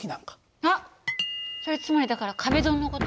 あっそれつまりだから壁ドンの事？